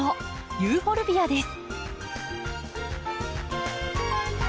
ユーフォルビアです。